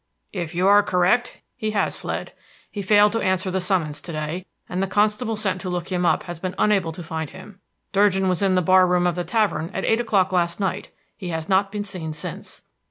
"If you are correct he has fled. He failed to answer the summons to day, and the constable sent to look him up has been unable to find him. Durgin was in the bar room of the tavern at eight o'clock last night; he has not been seen since."